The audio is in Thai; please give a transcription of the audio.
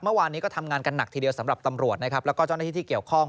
เมื่อวานนี้ก็ทำงานกันหนักทีเดียวสำหรับตำรวจนะครับแล้วก็เจ้าหน้าที่ที่เกี่ยวข้อง